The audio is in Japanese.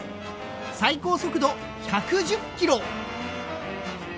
最高速度１１０キロ。